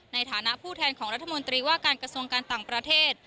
ในฐานะผู้แทนของรัฐมนตรีว่าการกระทรวงการต่างประเทศ